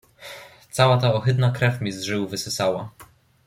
"Cała ta ohyda krew mi z żył wysysała."